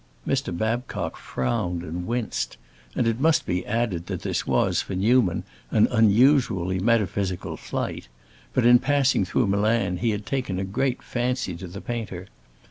Mr. Babcock frowned and winced. And it must be added that this was, for Newman, an unusually metaphysical flight; but in passing through Milan he had taken a great fancy to the painter.